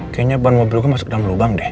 kayaknya ban mobil gue masuk dalam lubang deh